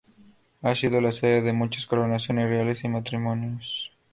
Ha sido la sede de muchas coronaciones reales y matrimonios.